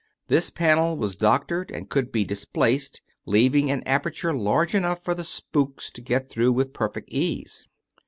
This panel was " doctored " and could be displaced, leaving an aperture large enough for the " spooks " to get through with perfect ease.